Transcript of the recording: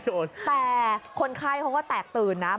แต่คนไข้เขาก็แตกตื่นนะ